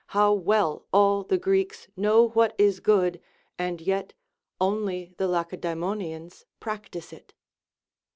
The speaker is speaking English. how well all the Greeks know what is good, and yet only the Lace daemonians practise it